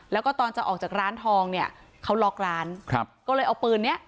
แล้วก็ตอนจะออกจากร้านทองเนี่ยเขาล็อกร้านครับก็เลยเอาปืนเนี้ย